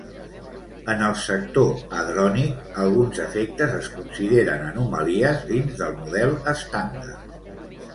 En el sector hadrònic, alguns efectes es consideren anomalies dins del Model Estàndard.